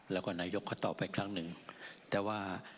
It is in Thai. แล้วก็นายกเขาตอบไปอีกครั้งนึงแต่ว่า